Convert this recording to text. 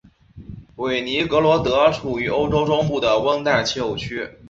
韦尼格罗德处于欧洲中部的温带气候区。